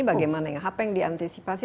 bagaimana yang diantisipasi